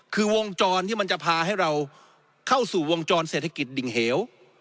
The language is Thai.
คือวงจรที่มันจะพาให้เราเข้าสู่วงจรเศรษฐกิจดิ่งเหว